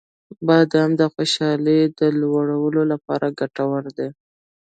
• بادام د خوشحالۍ د لوړولو لپاره ګټور دی.